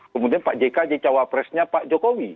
kemudian pak jk jadi cawa presnya pak jokowi